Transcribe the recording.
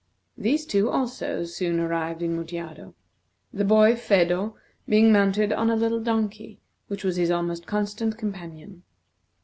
These two, also, soon arrived in Mutjado, the boy, Phedo, being mounted on a little donkey, which was his almost constant companion.